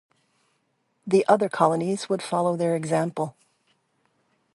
The other colonies would follow their example.